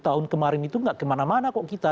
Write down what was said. sepuluh tahun kemarin itu gak kemana mana kok kita